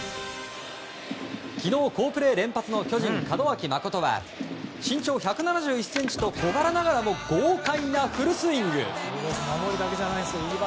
昨日、好プレー連発の巨人、門脇誠は身長１７１ｃｍと小柄ながらも豪快なフルスイング！